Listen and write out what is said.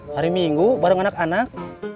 hari minggu bareng anak anak